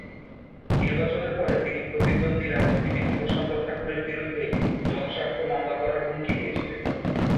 নির্বাচনের পরে, তিনি প্রতিদ্বন্দ্বী রাজনীতিবিদ প্রশান্ত ঠাকুরের বিরুদ্ধে জনস্বার্থ মামলা করার হুমকি দিয়েছিলেন।